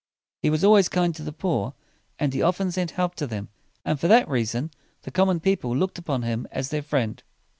He was always kind to the poor, and he often sent help to them; and for that reason the common people looked upon him as their friend.